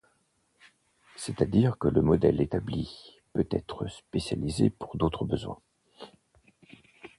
C'est-à-dire que le modèle établi peut être spécialisé pour d'autres besoins.